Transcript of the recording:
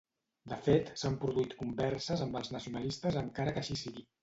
De fet, s'han produït converses amb els nacionalistes encara que així sigui.